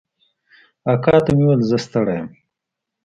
اکا ته مې وويل زه ستړى يم.